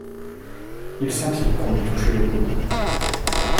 Il sentit qu’on lui touchait le coude.